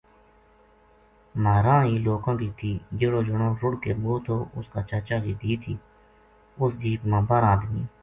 مہاراں ہی لوکا ں کی تھی جیہڑو جنو رُڑ کے مُوؤ تھو اس کا چاچا کی تھی اُس جیپ ما بارہ آدمی